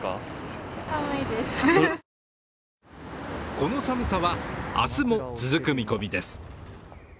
この寒さは明日も続く見込みです。